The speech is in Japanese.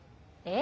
え？